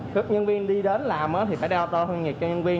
các nhân viên đi đến làm thì phải đeo đo thân nhiệt cho nhân viên